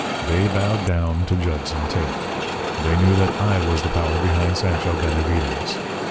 They bowed down to Judson Tate. They knew that I was the power behind Sancho Benavides.